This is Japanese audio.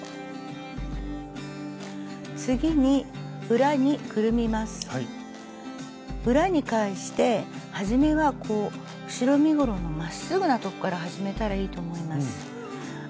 裏に返してはじめは後ろ身ごろのまっすぐな所から始めたらいいと思います。